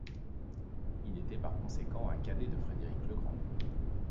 Il était par conséquent un cadet de Frédéric le Grand.